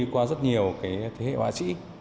qua rất nhiều thế hệ hoa sĩ